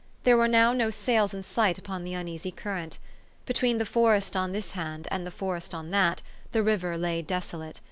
There were now no sails in sight upon the uneasy current. Between the forest on this hand, and the forest on that, the river lay desolate.